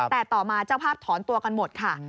แต่ต่อมาเจ้าภาพถอนตัวกันหมดค่ะ